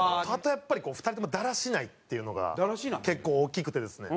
やっぱり２人ともダラしないっていうのが結構大きくてですね。